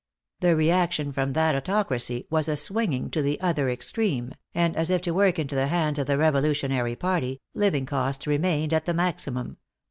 The reaction from that autocracy was a swinging to the other extreme, and, as if to work into the hands of the revolutionary party, living costs remained at the maximum.